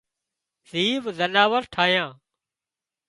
زيوَ زناور ٺاهيان